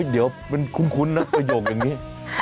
เดี๋ยวมันคุ้นนะประโยคอย่างนี้